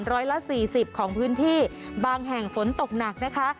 ร้อยละสี่สิบของพื้นที่บางแห่งฝนตกหนักนะคะ